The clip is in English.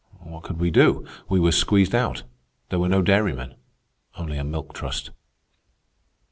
What could we do? We were squeezed out. There were no dairymen, only a Milk Trust."